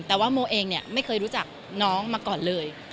แต่ว่าโมเองเนี่ยไม่เคยรู้จักน้องมาก่อนเลย